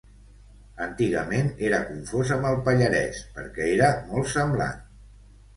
Antigament era confós amb el pallarès perquè era molt semblant.